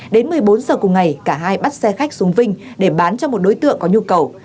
đến một mươi bốn giờ cùng ngày cả hai bắt xe khách xuống vinh để bán cho một đối tượng có nhu cầu